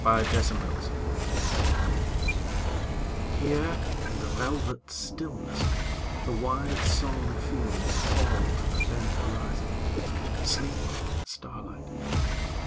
THE INDIA WHARF HERE in the velvet stillness The wide sown fields fall to the faint horizon, Sleeping in starlight.